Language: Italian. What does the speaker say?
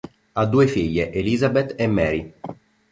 Ha due figlie, Elizabeth e Mary.